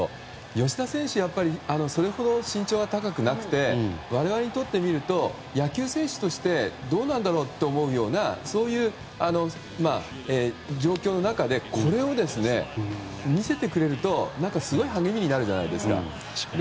吉田選手はそれほど、身長は高くなくて我々にとってみると野球選手としてどうなんだろうって思うようなそういう状況の中でこれを見せてくれると、すごい励みになるじゃないですか。